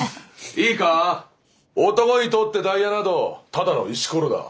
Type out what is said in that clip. いいか男にとってダイヤなどただの石ころだ。